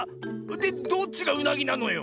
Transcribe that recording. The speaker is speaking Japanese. でどっちがうなぎなのよ？